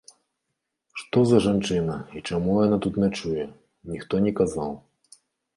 Што за жанчына і чаму яна тут начуе, ніхто не казаў.